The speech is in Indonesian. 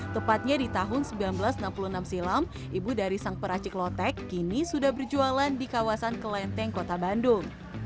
tepatnya di tahun seribu sembilan ratus enam puluh enam silam ibu dari sang peracik lotek kini sudah berjualan di kawasan kelenteng kota bandung